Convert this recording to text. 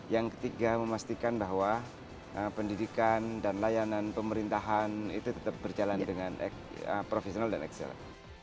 yang ketiga memastikan bahwa pendidikan dan layanan pemerintahan itu tetap berjalan dengan profesional dan ekselen